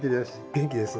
元気です？